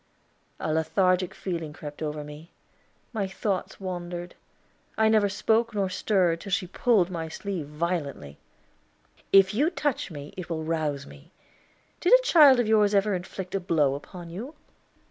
A lethargic feeling crept over me; my thoughts wandered; I never spoke nor stirred till she pulled my sleeve violently. "If you touch me it will rouse me. Did a child of yours ever inflict a blow upon you?"